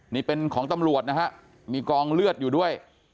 นี่เป็นของตำรวจนะฮะมีกองเลือดอยู่ด้วย